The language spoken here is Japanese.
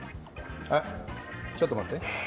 あっちょっとまって。